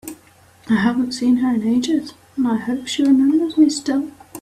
I haven’t seen her in ages, and I hope she remembers me still!